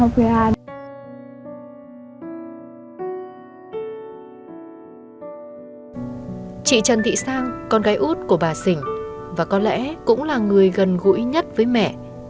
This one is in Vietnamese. chị trần thị sang con gái út của bà xỉn và có lẽ cũng là người gần gũi nhất với mẹ